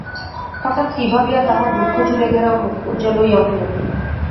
হঠাৎ কি ভাবিয়া তাহার রুক্ষ চুলে-ঘেরা মুখ উজ্জ্বল হইয়া উঠিল।